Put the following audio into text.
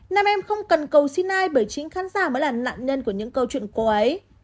nam em không cần cầu xin ai bởi chính khán giả mới là nạn nhân của những câu chuyện cô ấy